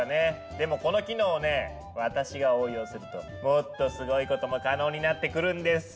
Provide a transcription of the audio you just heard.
でもこの機能をね私が応用するともっとすごいことも可能になってくるんですよ。